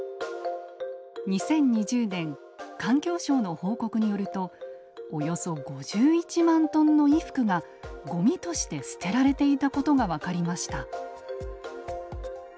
２０２０年環境省の報告によるとおよそ５１万トンの衣服がごみとして捨てられていたことが分かりました。